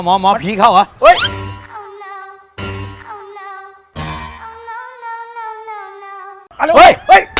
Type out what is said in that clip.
หมอหมอหมอหมอหมอผีเข้าเหรอเฮ้ย